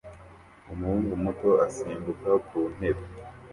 Umuhungu muto asimbuka ku ntebe